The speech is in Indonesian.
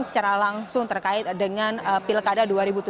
secara langsung terkait dengan pilkada dua ribu tujuh belas